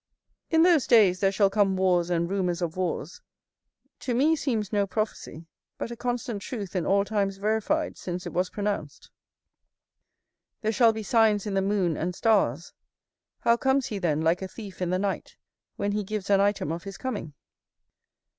"In those days there shall come wars and rumours of wars" to me seems no prophecy, but a constant truth in all times verified since it was pronounced. "There shall be signs in the moon and stars;" how comes he then like a thief in the night, when he gives an item of his coming?